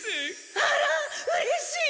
あらうれしい！